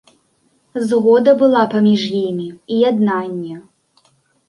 Згода была паміж імі і яднанне.